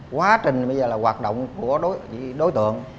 quá trình bây giờ là hoạt động của đối tượng